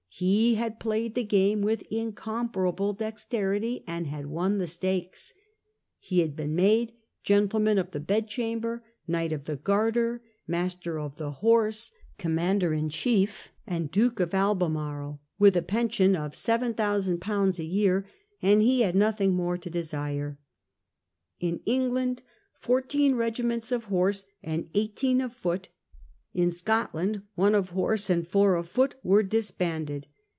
He had played the game with incomparable dexterity, and had won the stakes. He had been made Gentleman of the Bedchamber, Knight of the Garter, Master of the Horse, Commander in chief, and Duke of Albemarle, with a pension of 7,000/. a year ; and he had nothing more to desire. In England fourteen regiments of horse and eighteen of foot, in Scotland one of horse and four of foot, were disbanded.